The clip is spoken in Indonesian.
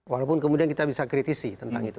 walaupun kemudian kita bisa kritisi tentang itu